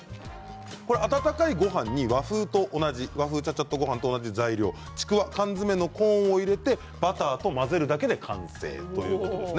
温かいごはんに和風チャチャッとごはんと同じ材料、ちくわ、缶詰のコーンを入れてバターと混ぜるだけで完成ということです。